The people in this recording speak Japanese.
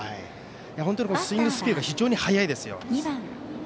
本当にスイングスピード非常に速いですよ。